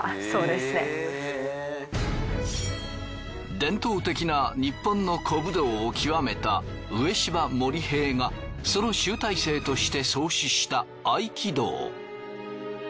伝統的な日本の古武道を極めた植芝盛平がその集大成として創始した合気道。